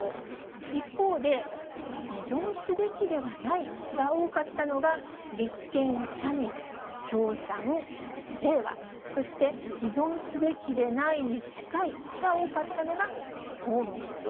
一方で、依存すべきではないが多かったのが、立憲、社民、共産、れいわ、そして、依存すべきでないに近いが多かったのが、公明党。